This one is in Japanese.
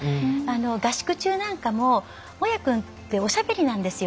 合宿中なんかも大矢くんっておしゃべりなんですよ。